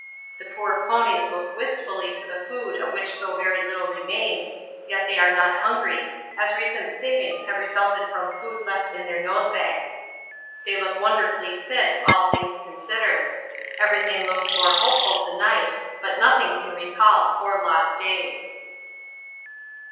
The poor ponies look wistfully for the food of which so very little remains, yet they are not hungry, as recent savings have resulted from food left in their nosebags. They look wonderfully fit, all things considered. Everything looks more hopeful to night, but nothing can recall four lost days.